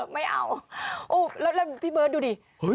พี่เบิร์ดดูดิ